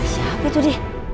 siapa itu di